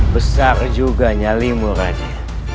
besar juga nyali muradin